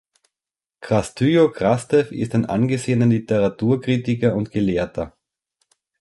Krastyo Krastev ist ein angesehener Literaturkritiker und Gelehrter.